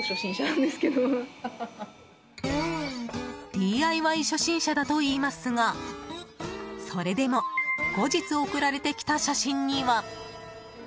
ＤＩＹ初心者だといいますがそれでも後日送られてきた写真には。